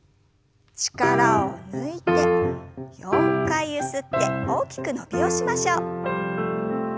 力を抜いて４回ゆすって大きく伸びをしましょう。